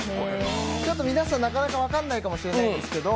ちょっと皆さん、なかなか分からないかもしれないんですけど